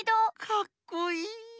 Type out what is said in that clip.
かっこいい。